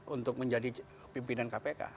untuk menjadi pimpinan kpk